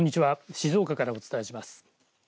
静岡からお伝えします。